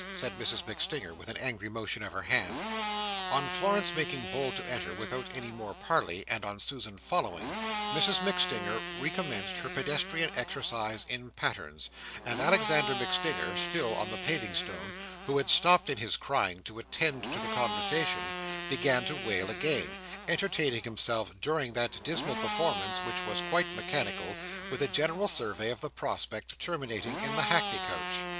said Mrs MacStinger, with an angry motion of her hand. On Florence making bold to enter, without any more parley, and on Susan following, Mrs MacStinger recommenced her pedestrian exercise in pattens, and Alexander MacStinger (still on the paving stone), who had stopped in his crying to attend to the conversation, began to wail again, entertaining himself during that dismal performance, which was quite mechanical, with a general survey of the prospect, terminating in the hackney coach.